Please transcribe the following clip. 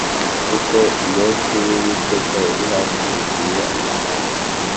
Kuko umunsi w Uwiteka uri hafi uziye amahanga